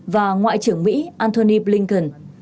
và ngoại trưởng mỹ antony blinken